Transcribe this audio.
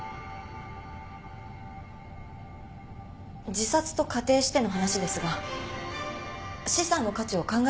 自殺と仮定しての話ですが資産の価値を考えたからではないでしょうか。